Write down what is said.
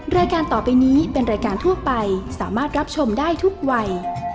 รายการต่อไปนี้เป็นรายการทั่วไปสามารถรับชมได้ทุกวัย